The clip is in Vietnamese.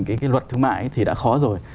cái luật thương mại thì đã khó rồi